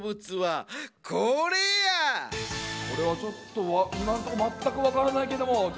これはちょっといまのところまったくわからないけども。